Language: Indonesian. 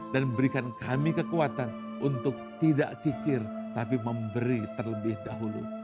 dan berikan kami kekuatan untuk tidak kikir tapi memberi terlebih dahulu